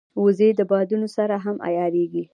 وزې د بادونو سره هم عیارېږي